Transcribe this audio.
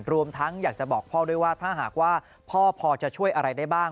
รวมทั้งอยากจะบอกพ่อด้วยว่าถ้าหากว่าพ่อพอจะช่วยอะไรได้บ้าง